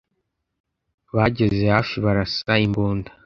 Bageze hafi barasa imbunda